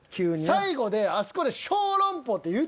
最後であそこで「小籠包！」って言うてみ。